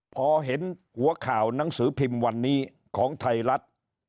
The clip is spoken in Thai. พอเห็นหัวข่าวหนังสือพิมพ์วันนี้ของไทยรัฐ